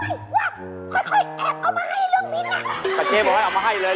ค่อยแอบเอามาให้เรื่องบินน่ะบินแต่เจ๊บอกให้เอามาให้เลย